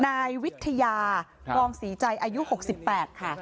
นายวิทยากองศรีใจอายุ๖๘ค่ะ